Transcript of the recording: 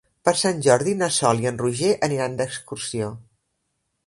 Per Sant Jordi na Sol i en Roger aniran d'excursió.